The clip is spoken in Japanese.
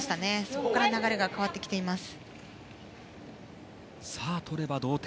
そこから流れが変わってきています。